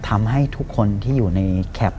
ทำให้ทุกคนที่อยู่ในแคป